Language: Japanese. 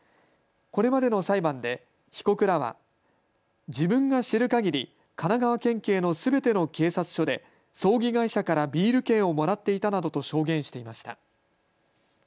これまでの裁判で被告らは自分が知るかぎり神奈川県警のすべての警察署で葬儀会社からビール券をもらっていたなどと証言していました。